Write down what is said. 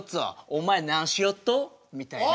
お前何しよっと？みたいな。